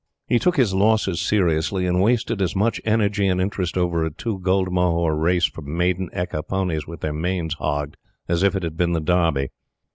He took his losses seriously, and wasted as much energy and interest over a two goldmohur race for maiden ekka ponies with their manes hogged, as if it had been the Derby.